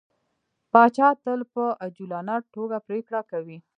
پاچا تل په عجولانه ټوګه پرېکړه کوي.